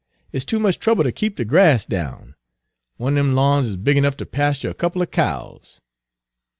It's too much trouble ter keep de grass down. One er dem lawns is big enough to pasture a couple er cows."